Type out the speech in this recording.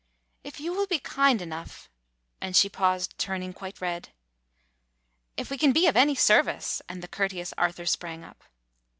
"If you will be kind enough —" and she paused, turning quite red. "If we can be of any service," and the cour teous Arthur sprang up.